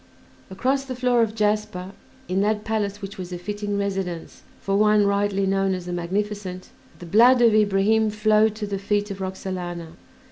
Across the floor of jasper, in that palace which was a fitting residence for one rightly known as "The Magnificent," the blood of Ibrahim flowed to the feet of Roxalana.